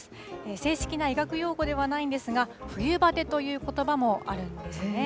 正式な医学用語ではないんですが、冬バテということばもあるんですね。